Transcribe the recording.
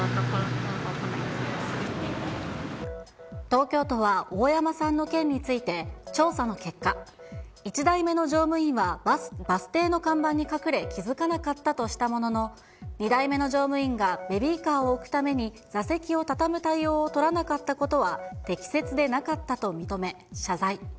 東京都は、大山さんの件について、調査の結果、１台目の乗務員はバス停の看板に隠れ、気付かなかったとしたものの、２台目の乗務員がベビーカーを置くために座席を畳む対応を取らなかったことは適切でなかったと認め謝罪。